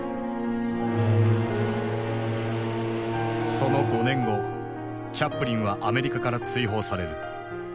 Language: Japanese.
その５年後チャップリンはアメリカから追放される。